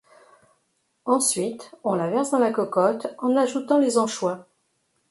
Ensuite, on la verse dans la cocotte, en ajoutant les anchois.